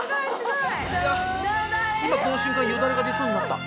今この瞬間よだれが出そうになった。